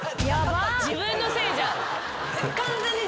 自分のせいじゃん。